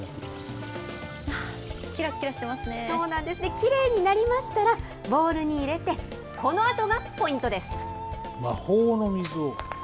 きれいになりましたら、ボウルに入れて、このあとがポイントです。